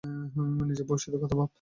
নিজের ভবিষ্যতের কথা ভাব।